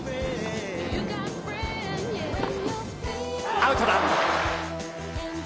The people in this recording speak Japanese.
アウトだ！